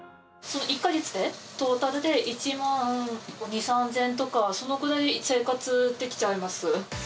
１か月でトータルで１万２、３０００円とか、そのくらい、生活できちゃいます。